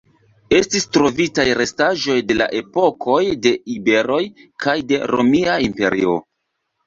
Estis trovitaj restaĵoj de la epokoj de iberoj kaj de Romia Imperio.